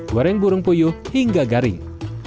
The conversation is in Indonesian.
masukkan burung puyuk hingga garing